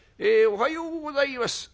おはようございます。